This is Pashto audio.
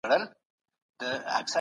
د بازار اړتیاوو پوره کول مهم دي.